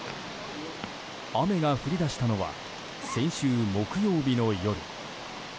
雨が降り出したのは先週木曜日の夜。